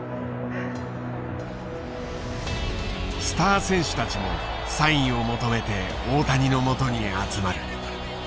スター選手たちもサインを求めて大谷のもとに集まる。